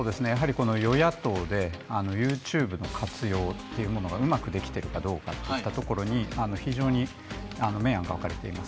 与野党でＹｏｕＴｕｂｅの活用がうまくできてるかどうかといったところに明暗が分かれています。